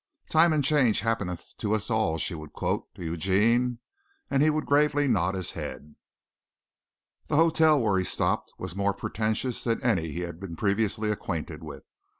"Time and change happeneth to us all," she would quote to Eugene and he would gravely nod his head. The hotel where he stopped was more pretentious than any he had been previously acquainted with.